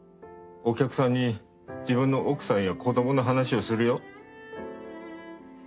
お客さんに自分の奥さんや子どもの話をするよ。